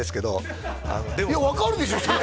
いや分かるでしょそれ